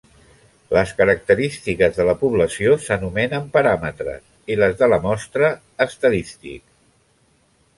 Les característiques de la població s'anomenen paràmetres i les de la mostra, estadístics.